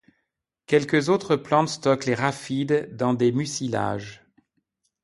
Quelques autres plantes stockent les raphides dans des mucilages.